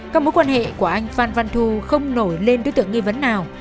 các mối quan hệ của anh phan văn thu không nổi lên đối tượng nghi vấn nào